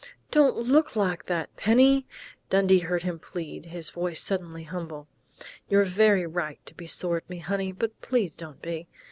"Don't look like that, Penny!" Dundee heard him plead, his voice suddenly humble. "You've every right to be sore at me, honey, but please don't be.